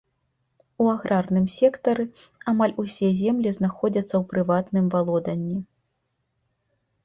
У аграрным сектары амаль усе землі знаходзяцца ў прыватным валоданні.